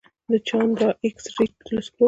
د چانډرا ایکس رې تلسکوپ دی.